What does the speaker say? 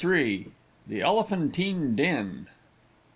THE ELEPHANTINE DEN.